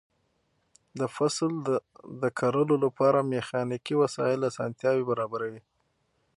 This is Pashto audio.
د فصل د کرلو لپاره میخانیکي وسایل اسانتیاوې برابروي.